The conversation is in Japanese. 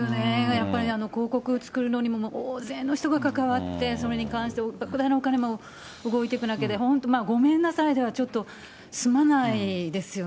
やっぱり、広告作るのにも大勢の人が関わって、それに関して、ばく大なお金も動いていく中で、本当まあごめんなさいではちょっと、済まないですよね。